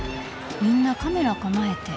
みんなカメラ構えて。